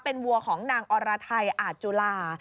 เป็นวัวของนางอรไทยอาจจุฬา